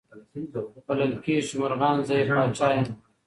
بلل کیږي چي مرغان زه یې پاچا یم